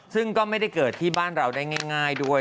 ซึ่งก็ไม่ได้เกิดที่บ้านเราได้ง่ายด้วย